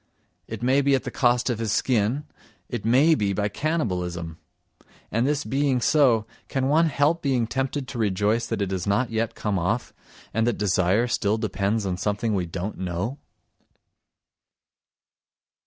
It may be at the cost of his skin, it may be by cannibalism! And this being so, can one help being tempted to rejoice that it has not yet come off, and that desire still depends on something we don't know?